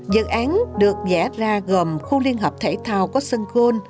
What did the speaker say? dự án được vẽ ra gồm khu liên hợp thể thao có sân khôn